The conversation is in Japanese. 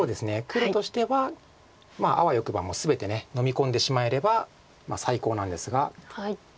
黒としてはあわよくば全てのみ込んでしまえれば最高なんですが。